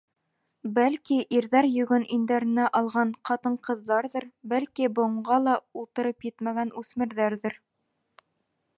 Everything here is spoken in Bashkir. Бәлки, ирҙәр йөгөн индәренә алған ҡатын-ҡыҙҙарҙыр, бәлки, быуынға ла ултырып етмәгән үҫмерҙәрҙер!